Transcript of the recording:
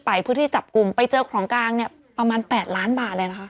ไปเพื่อที่จับกลุ่มไปเจอของกลางเนี่ยประมาณ๘ล้านบาทเลยนะคะ